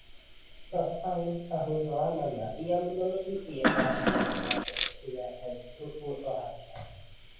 bertahun-tahun lamanya ia menyelidik bahasa dan adat istiadat suku Toraja